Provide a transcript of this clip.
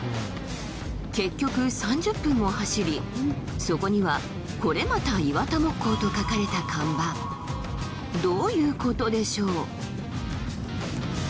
結局３０分も走りそこにはこれまたイワタ木工と書かれた看板どういうことでしょう？